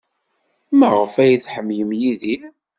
Maɣef ay tḥemmlem Yidir?